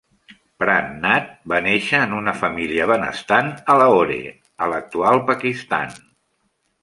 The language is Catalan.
Pran Nath va néixer en una família benestant a Lahore, a l'actual Pakistan.